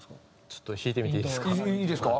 ちょっと弾いてみていいですか？